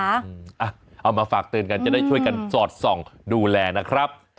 เอามาฝากเตือนกันจะได้ช่วยกันสอดส่องดูแลนะครับ